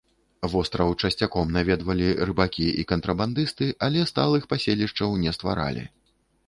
Востраў часцяком наведвалі рыбакі і кантрабандысты, але сталых паселішчаў не стваралі.